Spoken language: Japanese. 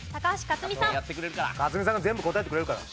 克実さんが全部答えてくれるから。